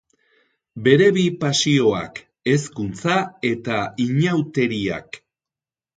Bere bi pasioak, hezkuntza eta inauteriak.